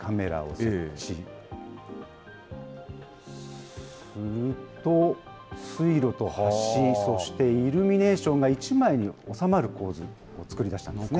すると、水路と橋、そしてイルミネーションが１枚に収まる構図を作り出したんですね。